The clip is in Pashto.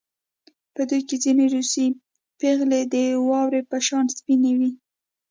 په دوی کې ځینې روسۍ پېغلې د واورې په شان سپینې وې